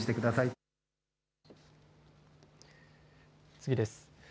次です。